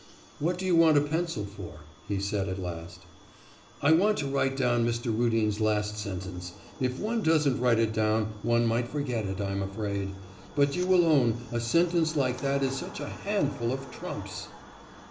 'What do you want a pencil for?' he said at last 'I want to write down Mr. Rudin's last sentence. If one doesn't write it down, one might forget it, I'm afraid! But you will own, a sentence like that is such a handful of trumps.